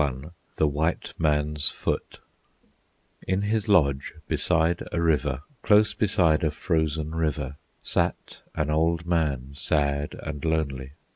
XXI The White Man's Foot In his lodge beside a river, Close beside a frozen river, Sat an old man, sad and lonely.